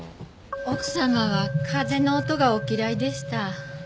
奥様は風の音がお嫌いでした。